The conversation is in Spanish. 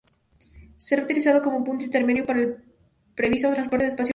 Será utilizada como punto intermedio para el previsto Transporte en Espacio Profundo.